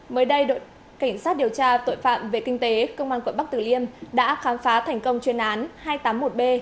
mới đây đội cảnh sát điều tra tội phạm về kinh tế công an quận bắc tử liêm đã khám phá thành công chuyên án hai trăm tám mươi một b